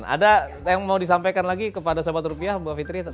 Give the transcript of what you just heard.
ada yang mau disampaikan lagi kepada sahabat rupiah mbak fitri